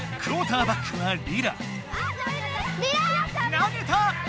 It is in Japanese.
投げた！